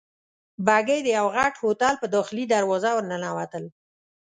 بګۍ د یوه غټ هوټل په داخلي دروازه ورننوتل.